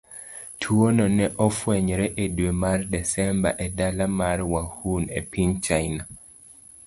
Tuwono ne ofwenyore e dwe mar Desemba e dala mar Wuhan, e piny China.